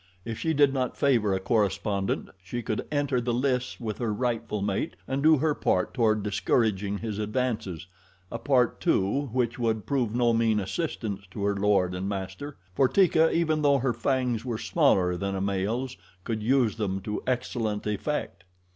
If she did not favor a correspondent, she could enter the lists with her rightful mate and do her part toward discouraging his advances, a part, too, which would prove no mean assistance to her lord and master, for Teeka, even though her fangs were smaller than a male's, could use them to excellent effect.